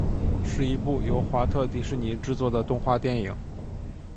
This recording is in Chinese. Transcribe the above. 是一部由华特迪士尼制作的动画电影。